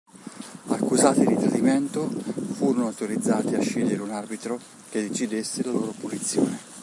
Accusati di tradimento, furono autorizzati a scegliere un arbitro che decidesse la loro punizione.